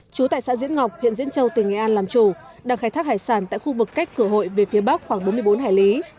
chú tại xã diễn ngọc huyện diễn châu tỉnh nghệ an làm chủ đang khai thác hải sản tại khu vực cách cửa hội về phía bắc khoảng bốn mươi bốn hải lý